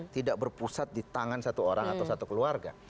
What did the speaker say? tidak berpusat di tangan satu orang atau satu keluarga